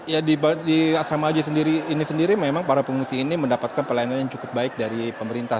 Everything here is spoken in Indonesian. ya di asrama haji ini sendiri memang para pengungsi ini mendapatkan pelayanan yang cukup baik dari pemerintah